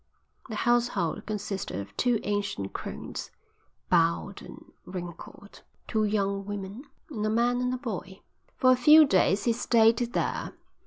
The household consisted of two ancient crones, bowed and wrinkled, two younger women, and a man and a boy. For a few days he stayed there.